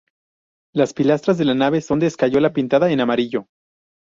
Las pilastras de la nave son de escayola pintada en amarillo.